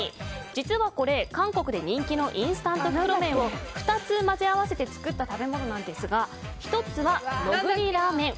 実はこれ、韓国で人気のインスタント袋麺を２つ混ぜ合わせて作った食べ物なんですが１つはノグリラーメン。